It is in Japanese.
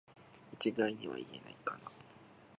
一概には言えないかな